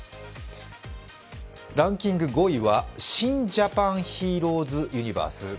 ランキング５位は、シン・ジャパン・ヒーローズ・ユニバース。